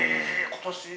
今年？